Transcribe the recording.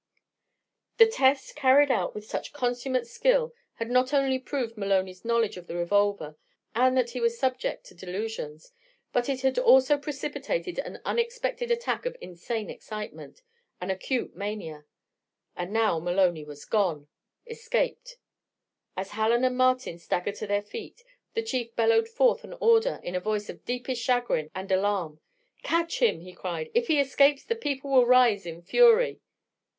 The test, carried out with such consummate skill, had not only proved Maloney's knowledge of the revolver and that he was subject to delusions, but it had also precipitated an unexpected attack of insane excitement an acute mania. And now Maloney was gone escaped. As Hallen and Martin staggered to their feet, the Chief bellowed forth an order in a voice of deepest chagrin and alarm: "Catch him!" he cried. "If he escapes, the people will rise in fury."